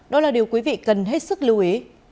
đó là điều quý vị cần hết sức lưu ý